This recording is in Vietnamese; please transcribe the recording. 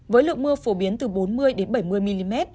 với lượng mưa phổ biến từ bốn mươi bảy mươi mm